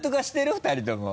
２人とも。